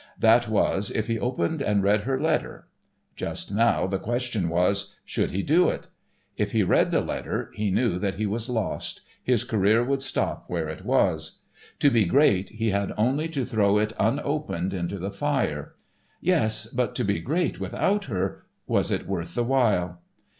That was, if he opened and read her letter. Just now the question was, should he do it? If he read that letter he knew that he was lost, his career would stop where it was. To be great he had only to throw it unopened into the fire; yes, but to be great without her, was it worth the while?